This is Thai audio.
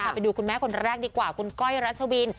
ไปดูคุณแม่คนแรกดีกว่าคุณก้อยรัชวิน